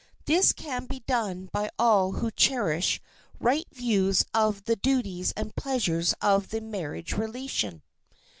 This can be done by all who cherish right views of the duties and pleasures of the marriage relation.